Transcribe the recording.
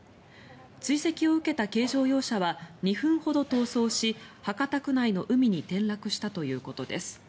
追跡を受けた軽乗用車は２分ほど逃走し博多区内の海に転落したということです。